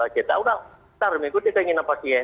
kita sudah kita akan ikut kita ingin apasih